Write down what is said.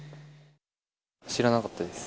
知らなかったです。